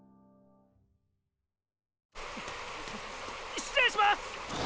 失礼します！